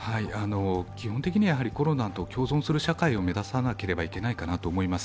基本的にはコロナと共存する社会を目指さなければいけないかなと思います。